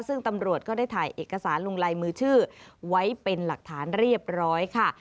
ซึ่งตำรวจก็ได้ถ่ายเอกสารลงลายมือชื่อไว้เป็นหลักฐานเรียบร้อยค่ะ